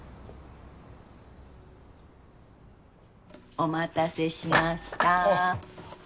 お待たせしました。